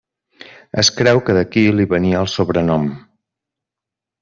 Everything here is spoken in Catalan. Es creu que d'aquí li venia el sobrenom.